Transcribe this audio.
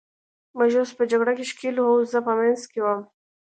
موږ اوس په جګړه کې ښکېل وو، زه په منځ کې وم.